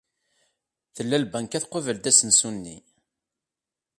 Tella lbanka tqubel-d asensu-nni.